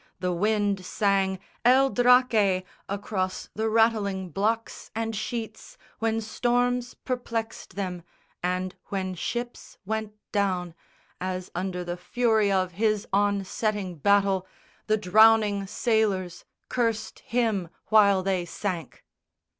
The wind sang El Draque across the rattling blocks and sheets When storms perplexed them; and when ships went down, As under the fury of his onsetting battle, The drowning sailors cursed him while they sank.